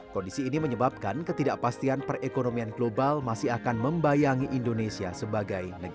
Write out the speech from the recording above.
kondisi ini menyebabkan ketidakpastian perekonomian global masih akan membayangkan